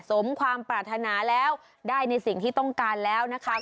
สมความปรารถนาแล้วได้ในสิ่งที่ต้องการแล้วนะคะ